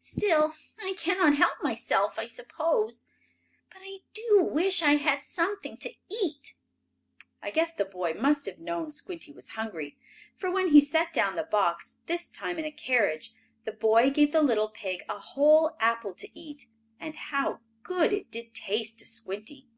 "Still, I cannot help myself, I suppose. But I do wish I had something to eat." I guess the boy must have known Squinty was hungry, for, when he next set down the box, this time in a carriage, the boy gave the little pig a whole apple to eat. And how good it did taste to Squinty!